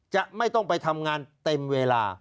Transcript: จะต้องไปทำงานเต็มเวลา